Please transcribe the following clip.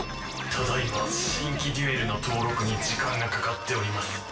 ただいま新規デュエルの登録に時間がかかっております。